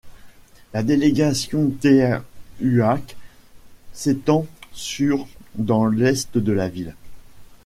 La délégation Tláhuac s'étend sur dans l'est de la ville.